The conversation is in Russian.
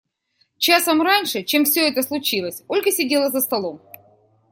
Часом раньше, чем все это случилось, Ольга сидела за столом.